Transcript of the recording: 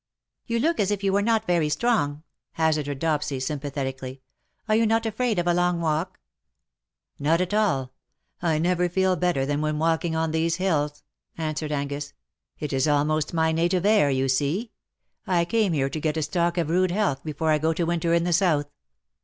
^^ You look as if you were not very strong/' 'hazarded Dopsy, sympathetically. '^ Are you not afraid of a long walk ?"" Not at all ; I never feel better than when walk ing on these hills/' answered Angus. ^^ It is almost my native air, you see. I came here to get a stock of rude health before I go to winter in the South.